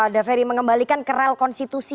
daferi mengembalikan ke real konstitusi